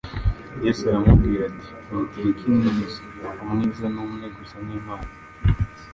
Yesu aramubwira ati : "Unyitira iki mwiza? Umwiza ni umwe gusa ni Imana."